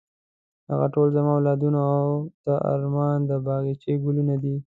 هغه ټول زما اولادونه او د ارمان د باغچې ګلونه دي.